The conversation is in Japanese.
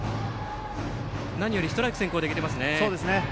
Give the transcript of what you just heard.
何よりストライク先行でいけていますね。